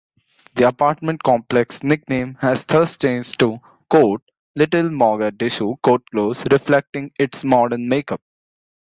The apartment complex's nickname has thus changed to "Little Mogadishu", reflecting its modern makeup.